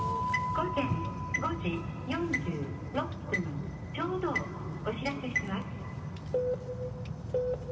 「午前５時４６分ちょうどをお知らせします」。